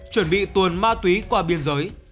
chuẩn bị tuần ma túy qua biên giới